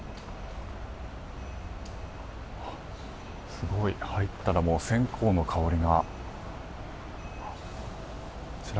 すごい入ったらもうお線香の香りが。